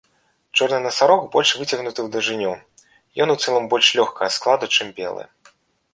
Чорны насарог больш выцягнуты ў даўжыню, ён у цэлым больш лёгкага складу, чым белы.